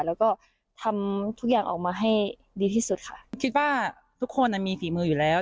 แล้วก็ทำทุกอย่างออกมาให้ดีที่สุดค่ะคิดว่าทุกคนอ่ะมีฝีมืออยู่แล้ว